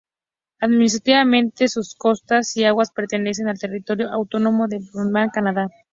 Administrativamente, sus costas y aguas pertenecen al territorio autónomo de Nunavut, Canadá.